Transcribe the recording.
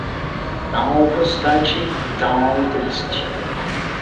tão constante e tão triste